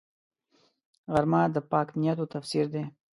غرمه د پاک نیتونو تفسیر دی